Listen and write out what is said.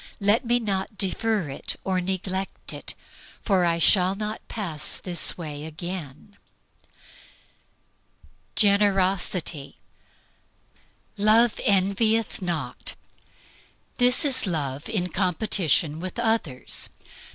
Let me not defer it or neglect it, for I shall not pass this way again." Generosity. "Love envieth not." This is love in competition with others.